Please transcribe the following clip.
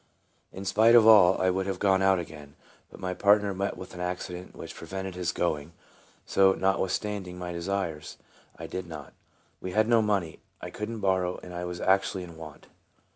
In spite of all, I would have gone out again> but my partner met with an accident which prevented his going, so, notwithstanding my desires, I did not. We had no money; I could n't borrow, and I was actually in want.